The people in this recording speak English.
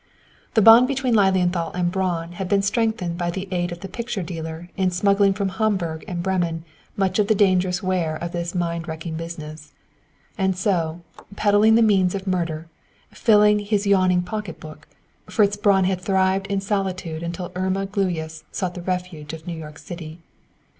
The bond between Lilienthal and Braun had been strengthened by the aid of the "picture dealer" in smuggling from Hamburg and Bremen much of the dangerous ware of this mind wrecking business. And so, peddling the means of murder, filling his yawning pocketbook, Fritz Braun had thrived in solitude until Irma Gluyas sought the refuge of New York City.